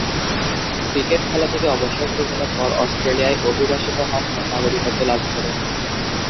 Cricket খেলা থেকে অবসর গ্রহণের পর অস্ট্রেলিয়ায় অভিবাসিত হন ও নাগরিকত্ব লাভ করেন।